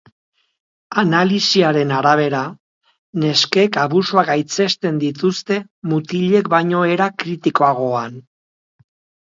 Analisiaren arabera, neskek abusuak gaitzesten dituzte mutilek baino era kritikoagoan.